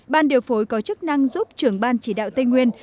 ban điều phối có chức năng giúp trưởng ban chỉ đạo tây nguyên